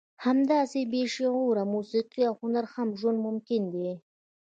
همداسې بې شعر، موسیقي او هنره هم ژوند ممکن دی.